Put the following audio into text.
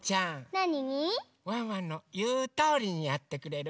なに？ワンワンのいうとおりにやってくれる？